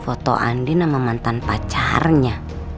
foto andien sama mantan pacarnya